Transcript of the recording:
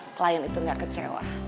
klien itu gak kecewa